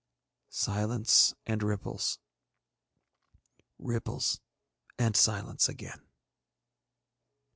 Silence and ripples, ripples and silence again.